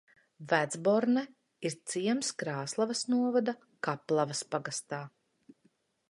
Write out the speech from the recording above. Vecborne ir ciems Krāslavas novada Kaplavas pagastā.